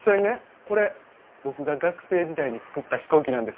これ僕が学生時代に作った飛行機なんです。